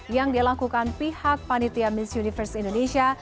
yang dilakukan pihak panitia miss universe indonesia